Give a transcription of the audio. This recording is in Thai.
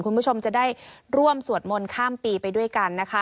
คุณผู้ชมจะได้ร่วมสวดมนต์ข้ามปีไปด้วยกันนะคะ